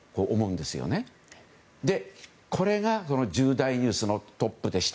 で、これが１０大ニュースのトップでした。